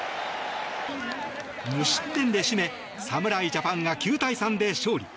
無失点で締め侍ジャパンが９対３で勝利。